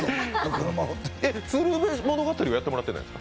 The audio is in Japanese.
鶴瓶物語はやってもらってないんですか？